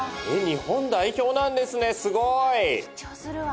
日本代表なんですねすごい！緊張するわ。